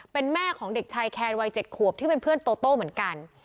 เป็นแม่ของเด็กชายแคนวัย๗ขวบที่เป็นเพื่อนโตโต้เหมือนกัน